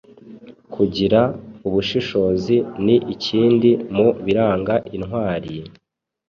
Kugira ubushishozi ni ikindi mu biranga intwari,